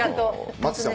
松居さん